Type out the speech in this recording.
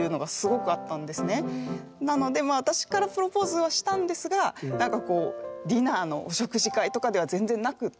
なので私からプロポーズはしたんですがなんかこうディナーの食事会とかでは全然なくって。